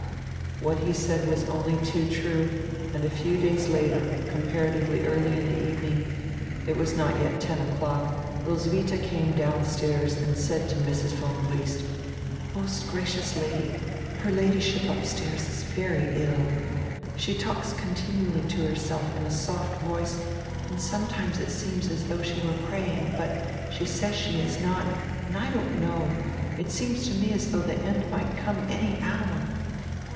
What he said was only too true, and a few days later, comparatively early in die evening, it was not yet ten o'clock, Roswidia came down stairs and said to Mrs. von Briest: "Most gracious Lady, her Ladyship upstairs is very ill. She talks continually to herself in a soft voice and sometimes it seems as though she were praying, hut she says she is not, and I don't know, it seems to me as though the end might come any hour."